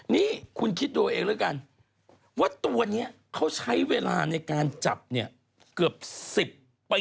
นี่คุณคิดดูเองแล้วกันว่าตัวนี้เขาใช้เวลาในการจับเนี่ยเกือบ๑๐ปี